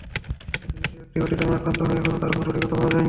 একটি শিশু কেন অটিজমে আক্রান্ত হয়, এখনো তার কোনো সঠিক ব্যাখ্যা পাওয়া যায়নি।